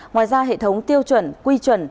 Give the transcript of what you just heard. ngoài ra hệ thống tiêu chuẩn quy chuẩn